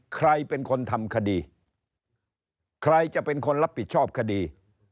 ใครเป็นคนทำคดีใครจะเป็นคนรับผิดชอบคดี